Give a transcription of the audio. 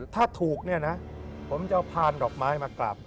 ถ้าถูกเนี่ยนะผมจะเอาพานดอกไม้มากราบ